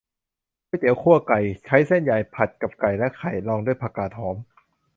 ก๋วยเตี๋ยวคั่วไก่ ใช้เส้นใหญ่ ผัดกับไก่และไข่ รองด้วยผักกาดหอม